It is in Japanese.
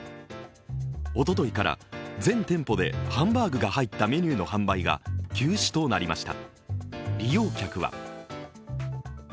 おとといから全店舗でハンバークが入ったメニューの販売が休止となりました。